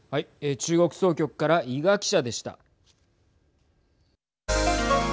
中国総局から伊賀記者でした。